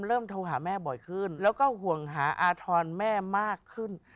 โทรหาแม่บ่อยขึ้นแล้วก็ห่วงหาอาทรแม่มากขึ้น